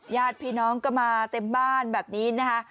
ญาติพี่น้องก็มาเต็มบ้านแบบนี้นะคะ